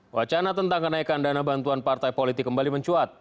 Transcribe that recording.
wacana tentang kenaikan dana bantuan partai politik kembali mencuat